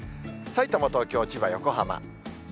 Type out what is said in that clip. さいたま、東京、千葉、横浜。